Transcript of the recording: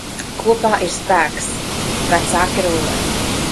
Kopā ir spēks, vecāki rullē.